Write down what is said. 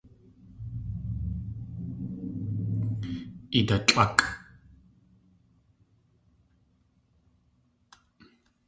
Idatlʼákʼ!